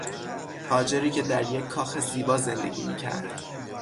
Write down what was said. تاجری که در یک کاخ زیبا زندگی میکرد